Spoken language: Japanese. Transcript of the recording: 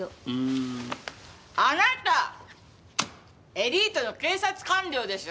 エリートの警察官僚でしょ？